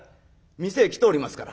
店へ来ておりますから。